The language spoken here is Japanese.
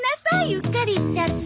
うっかりしちゃった。